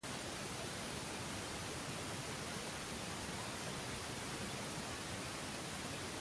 Las naves estelares son espacios habitables, vehículos o embajadores de La Cultura.